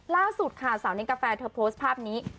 ล่าสุดค่ะสาวนิงกาแฟเธอโพสต์ภาพนี้